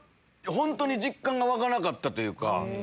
本当に実感が湧かなかったというか。